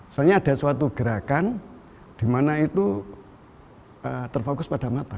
soalnya ada suatu gerakan di mana itu terfokus pada mata